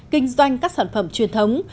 kinh doanh các sản phẩm truyền thống